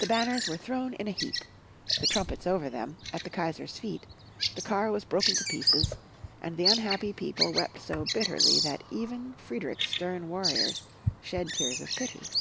The banners were thrown in a heap, the trumpets over them, at the Kaisar's feet, the car was broken to pieces, and the unhappy people wept so bitterly that even Friedrich's stern warriors shed tears of pity.